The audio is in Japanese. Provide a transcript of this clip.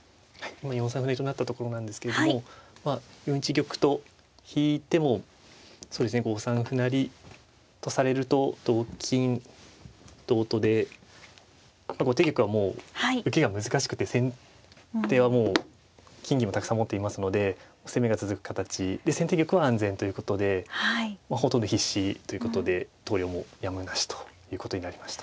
今４三歩成と成ったところなんですけどもまあ４一玉と引いてもそうですね５三歩成とされると同金同とで後手玉はもう受けが難しくて先手はもう金銀もたくさん持っていますので攻めが続く形で先手玉は安全ということでほとんど必至ということで投了もやむなしということになりました。